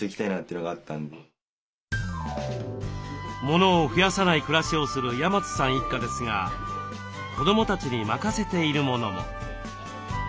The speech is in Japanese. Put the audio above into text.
モノを増やさない暮らしをする山津さん一家ですが子どもたちに任せているものも。